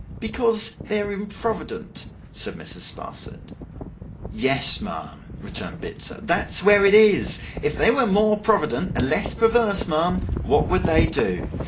'Because they are improvident,' said Mrs. Sparsit. 'Yes, ma'am,' returned Bitzer, 'that's where it is. If they were more provident and less perverse, ma'am, what would they do?